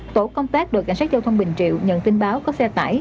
tổ công tác đội cảnh sát giao thông bình triệu nhận tin báo có xe tải